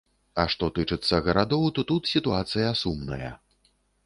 А што тычыцца гарадоў, то тут сітуацыя сумная.